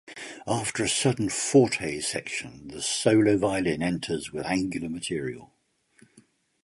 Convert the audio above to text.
After a sudden forte section, the solo violin enters with angular material.